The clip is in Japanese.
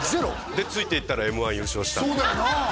でついていったらＭ−１優勝したそうだよな